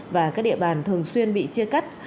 và các địa bàn thường xuyên bị chia cắt